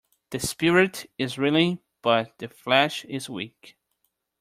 The spirit is willing but the flesh is weak.